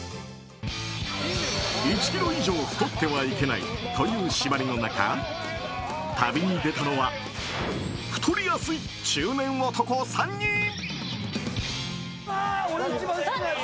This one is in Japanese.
１ｋｇ以上太ってはいけないという縛りの中旅に出たのは太りやすい中年男３人。